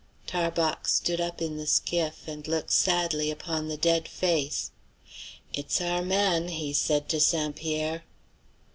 Tarbox stood up in the skiff and looked sadly upon the dead face. "It's our man," he said to St. Pierre.